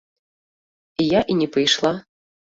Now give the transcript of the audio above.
Я і не пайшла.